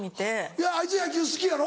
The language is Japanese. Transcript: いやあいつ野球好きやろ？